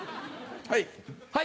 はい！